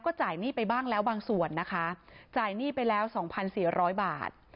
ก็จ่ายหนี้ไปบ้างแล้วบางส่วนนะคะจ่ายหนี้ไปแล้ว๒๔๐๐บาท